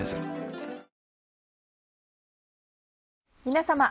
皆様。